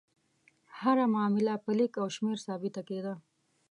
هره معامله په لیک او شمېر ثابته کېده.